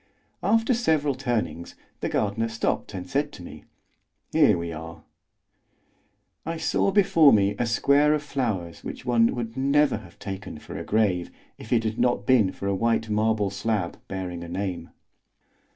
After several turnings, the gardener stopped and said to me: "Here we are." I saw before me a square of flowers which one would never have taken for a grave, if it had not been for a white marble slab bearing a name.